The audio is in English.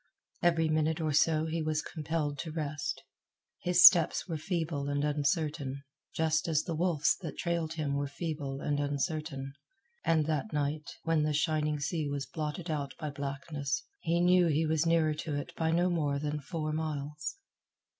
Every minute or so he was compelled to rest. His steps were feeble and uncertain, just as the wolf's that trailed him were feeble and uncertain; and that night, when the shining sea was blotted out by blackness, he knew he was nearer to it by no more than four miles.